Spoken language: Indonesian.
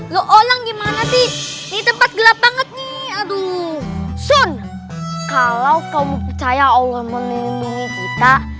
lu orang gimana sih ini tempat gelap banget nih aduh son kalau kamu percaya allah melindungi kita